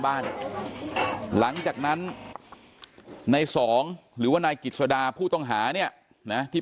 บ้านหลังจากนั้นในสองหรือว่านายกิจสดาผู้ต้องหาเนี่ยนะที่